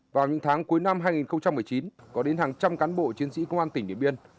vào những tháng cuối năm hai nghìn một mươi chín có đến hàng trăm cán bộ chiến sĩ công an tỉnh điện biên